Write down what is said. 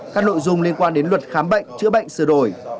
các nội dung liên quan đến luật khám bệnh chữa bệnh sửa đổi